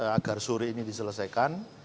agar suri ini diselesaikan